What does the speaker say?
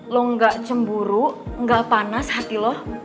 lo gak cemburu nggak panas hati lo